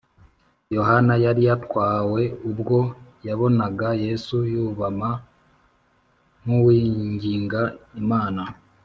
Yohana yari yatwawe ubwo yabonaga Yesu yubama nk’uwinginga Imana